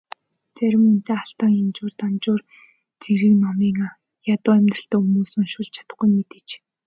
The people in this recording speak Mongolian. Зарим үнэтэй Алтан Ганжуур, Данжуур зэрэг номуудыг ядуу амьдралтай хүмүүс уншуулж чадахгүй нь мэдээж.